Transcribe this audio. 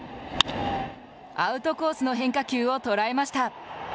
アウトコースの変化球を捉えました。